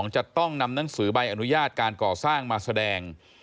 จะต้องนำหนังสือใบอนุญาตการก่อสร้างมาแสดง